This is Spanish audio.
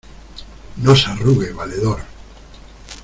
¡ no se arrugue, valedor!...